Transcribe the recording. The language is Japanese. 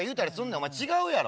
お前違うやろ。